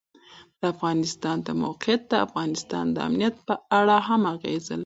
د افغانستان د موقعیت د افغانستان د امنیت په اړه هم اغېز لري.